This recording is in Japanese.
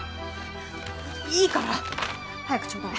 いいから！早くちょうだい。